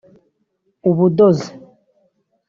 ubudozi